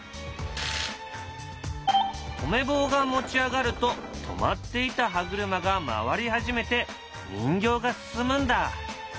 止め棒が持ち上がると止まっていた歯車がまわり始めて人形が進むんだ。